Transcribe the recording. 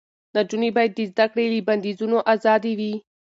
نجونې باید د زده کړې له بندیزونو آزادې وي.